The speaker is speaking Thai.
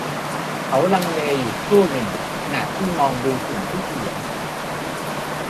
เขาลังเลอยู่ครู่หนึ่งขณะที่มองดูสิ่งที่เขียน